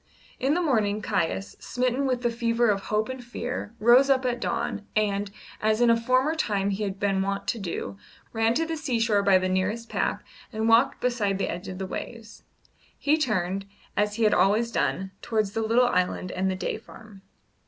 In the morning Caius, smitten with the fever of hope and fear, rose up at dawn, and, as in a former time he had been wont to do, ran to the seashore by the nearest path and walked beside the edge of the waves. He turned, as he had always done, towards the little island and the Day Farm.